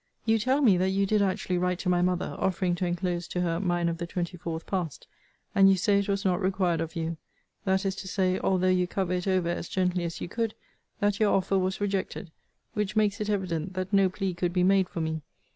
You tell me that you did actually write to my mother, offering to enclose to her mine of the 24th past: and you say it was not required of you. That is to say, although you cover it over as gently as you could, that your offer was rejected; which makes it evident that no plea could be made for me.